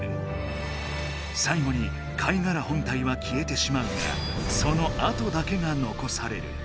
さいごに貝がら本体はきえてしまうがそのあとだけがのこされる。